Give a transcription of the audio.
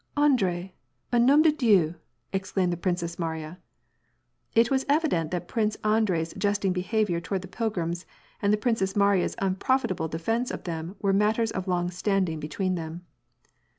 " Andre, au nom de Dieti /" exclaimed the Princess Mariya. It was evident that Prince Andrei's jesting behavior toward the pilgrims and the Princess Mariya's unprofitable defence of them were matters of long standing between them.